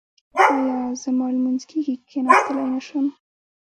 ایا زما لمونځ کیږي که کیناستلی نشم؟